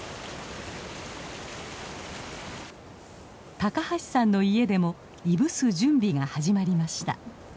高橋さんの家でもいぶす準備が始まりました。